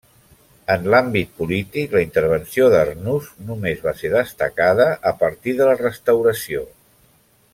En l'àmbit polític, la intervenció d'Arnús només va ser destacada a partir de la Restauració.